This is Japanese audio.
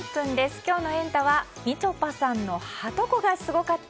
今日のエンタ！はみちょぱさんのはとこがすごかった。